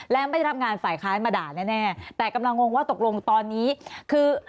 และไม่ได้ทำงานฝ่ายค้านมาด่าแน่แต่กำลังงงว่าตกลงตอนนี้คือ